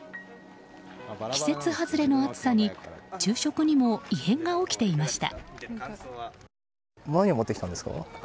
季節外れの暑さに昼食にも異変が起きていました。